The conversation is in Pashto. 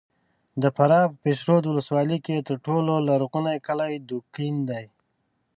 د فراه په پشترود ولسوالۍ کې تر ټولو لرغونی کلی دوکین دی!